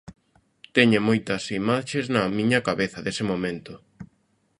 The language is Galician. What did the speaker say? Teño moitas imaxes na miña cabeza dese momento.